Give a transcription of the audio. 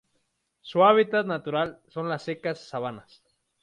Su hábitat natural son las secas sabanas.